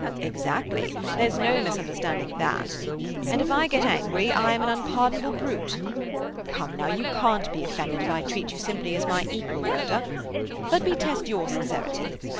"Exactly. There's no misunderstanding that. And if I get angry I am an unpardonable brute. Come now, you can't be offended if I treat you as simply my equal, Rhoda. Let me test your sincerity.